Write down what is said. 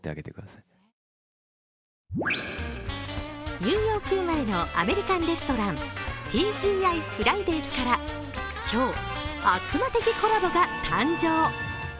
ニューヨーク生まれのアメリカンレストラン、ＴＧＩフライデーズから今日、悪魔的コラボが誕生。